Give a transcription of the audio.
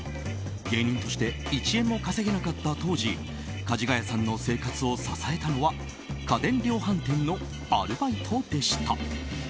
芸人として１円も稼げなかった当時かじがやさんの生活を支えたのは家電量販店のアルバイトでした。